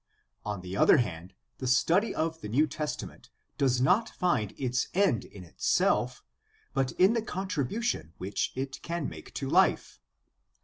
On the other hand, the study of the New Testament does not find its end in itself, but in the con tribution which it can make to Hfe.